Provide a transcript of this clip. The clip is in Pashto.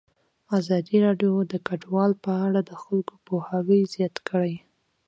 ازادي راډیو د کډوال په اړه د خلکو پوهاوی زیات کړی.